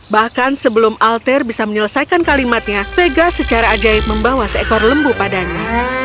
bahkan sebelum alter bisa menyelesaikan kalimatnya vega secara ajaib membawa seekor lembu padanya